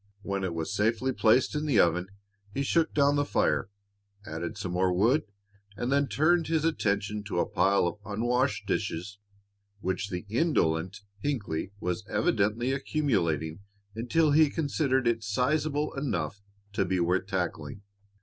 When it was safely placed in the oven he shook down the fire, added some more wood, and then turned his attention to a pile of unwashed dishes, which the indolent Hinckley was evidently accumulating until he considered it sizeable enough to be worth tackling.